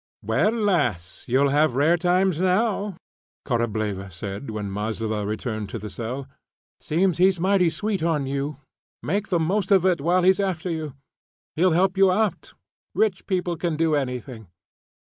"Well, lass, you'll have rare times now," Korableva said, when Maslova returned to the cell. "Seems he's mighty sweet on you; make the most of it while he's after you. He'll help you out. Rich people can do anything."